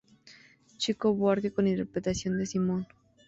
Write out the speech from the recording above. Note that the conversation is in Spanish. Chico Buarque con interpretación de Simone.